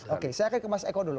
oke saya akan ke mas eko dulu